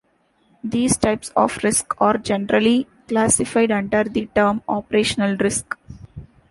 These types of risk are generally classified under the term 'operational risk'.